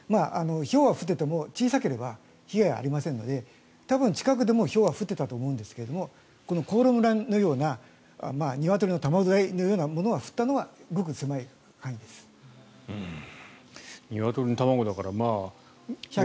ひょうは降っていても小さければ被害はありませんので多分近くでも、ひょうは降っていたと思うんですがこの香呂村のようなニワトリの卵大のようなものが降ったのはニワトリの卵だから。